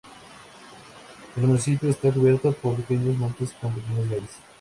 El municipio está cubierto por pequeños montes con pequeños valles.